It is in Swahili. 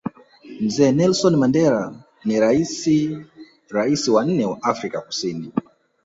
Mzee Nelson Mandela na raisi Rais wa nne wa Afrika kusini